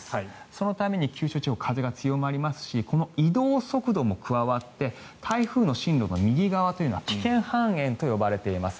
そのために九州地方風が強まりますしこの移動速度も加わって台風の進路の右側というのは危険半円と呼ばれています。